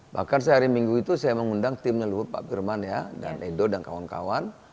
bahkan sehari minggu itu saya mengundang timnya luhut pak firman dan edo dan kawan kawan